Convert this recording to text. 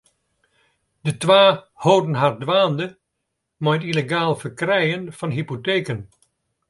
De twa holden har dwaande mei it yllegaal ferkrijen fan hypoteken.